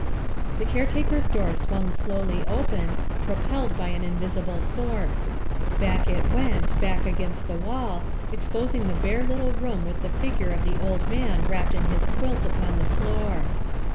The caretaker's door swung slowly open, propelled by an invisible force. Back it went, back against the wall, exposing the bare little room with the figure of the old man wrapped in his quilt upon the floor.